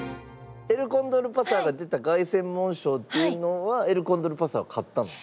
エルコンドルパサーが出た凱旋門賞っていうのはエルコンドルパサーは勝ったの？